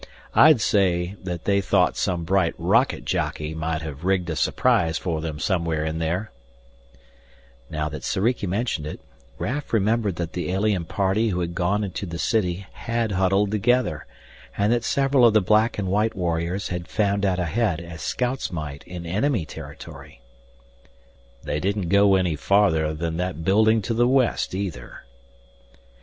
I'd say that they thought some bright rocket jockey might have rigged a surprise for them somewhere in there " Now that Soriki mentioned it, Raf remembered that the alien party who had gone into the city had huddled together, and that several of the black and white warriors had fanned out ahead as scouts might in enemy territory. "They didn't go any farther than that building to the west either."